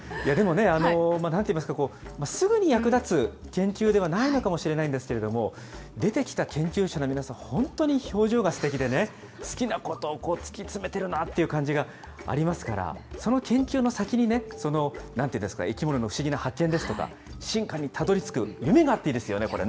でもね、なんていいますか、すぐに役立つ研究ではないのかもしれないんですけれども、出てきた研究者の皆さん、本当に表情がすてきでね、好きなことを突き詰めてるなって感じがありますから、その研究の先に、なんていうんですか、生き物の不思議な発見ですとか、進化にたどりつく、夢があっていいですよね。